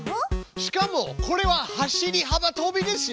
しかもこれは走りはばとびですよ。